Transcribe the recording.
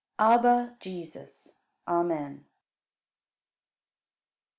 38. Abba, Jesus! Amen.